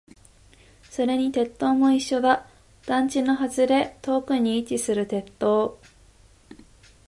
それに鉄塔も一緒だ。団地の外れ、遠くに位置する鉄塔。